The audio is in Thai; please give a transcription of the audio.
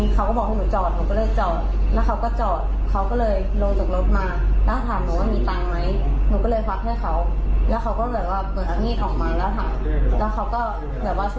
เขาก็เดินติดตามใจลดล็อกลดรถแต่หนูว่ามิ่งหนีตัดหน้ารถ